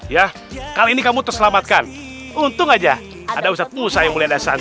ya kali ini kamu terselamatkan untung aja ada ustadz musa yang mulia dasar